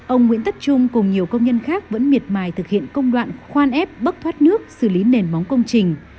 ông nguyễn tất trung cùng nhiều công nhân khác vẫn miệt mài thực hiện công đoạn khoan ép bất thoát nước xử lý nền móng công trình